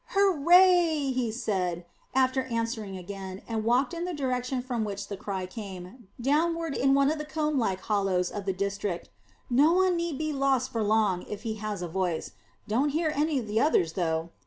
"Hurrah!" he said, after answering again, and walking in the direction from which the cry came, downward in one of the combe like hollows of the district. "No one need be lost for long, if he has a voice. Don't hear any of the others though."